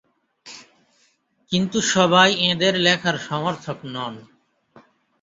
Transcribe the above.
কিন্তু সবাই এঁদের লেখার সমর্থক নন।